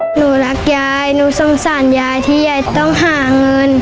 หนูรักยายหนูสงสารยายที่ยายต้องหาเงิน